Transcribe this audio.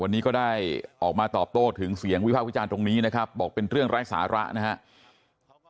วันนี้ก็ได้ออกมาตอบโต้ถึงเสียงวิภาควิจารณ์ตรงนี้นะครับบอกเป็นเรื่องไร้สาระนะครับ